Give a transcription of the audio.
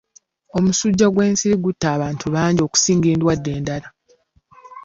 Omusujja gwe'nsiri gutta abantu bangi okusinga endwadde endala.